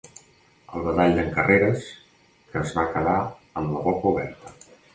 El badall d'en Carreres, que es va quedar amb la boca oberta.